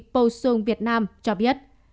polson vn cho biết